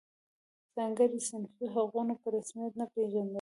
ځانګړي صنفي حقونه په رسمیت نه پېژندل.